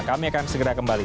kami akan segera kembali